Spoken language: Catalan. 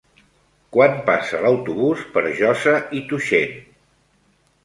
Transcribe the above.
Quan passa l'autobús per Josa i Tuixén?